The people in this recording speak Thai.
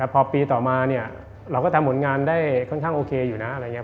พอปีต่อมาเราก็ทำผลงานได้โอเคอยู่นะ